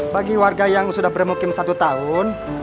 bagi warga yang sudah bermukim satu tahun